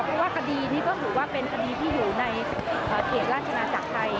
เพราะว่าคดีนี้ก็ถือว่าเป็นคดีที่อยู่ในเขตราชนาจักรไทย